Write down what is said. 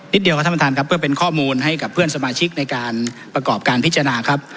เดียวครับท่านประธานครับเพื่อเป็นข้อมูลให้กับเพื่อนสมาชิกในการประกอบการพิจารณาครับ